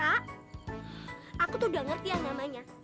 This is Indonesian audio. aku tuh udah ngerti yang namanya